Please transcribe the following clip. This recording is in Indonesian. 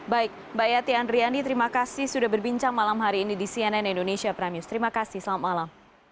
baik mbak yati andriani terima kasih sudah berbincang malam hari ini di cnn indonesia prime news terima kasih selamat malam